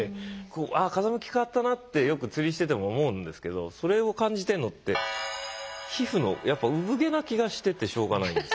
こうああ風向き変わったなってよく釣りしてても思うんですけどそれを感じてるのって皮膚の産毛な気がしててしょうがないんです。